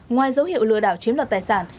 ngoài dấu hiệu lừa đảo chiếm lọt tài sản